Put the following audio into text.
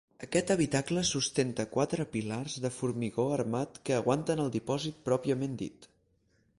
Aquest habitacle sustenta quatre pilars de formigó armat que aguanten el dipòsit pròpiament dit.